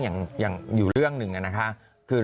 ยังอยู่เรื่องหนึ่งคือ